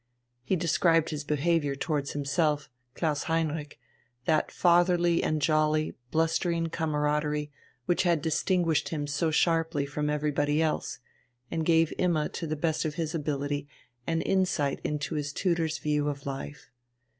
He described his behaviour towards himself, Klaus Heinrich that fatherly and jolly, blustering camaraderie which had distinguished him so sharply from everybody else and gave Imma to the best of his ability an insight into his tutor's views of life.